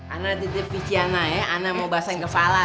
ana tidak pisah ya ana mau basahin kepala